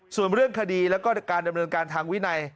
ส่วนเรื่องคดีแล้วก็การดำเนินการทางวินัย